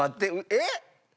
えっ！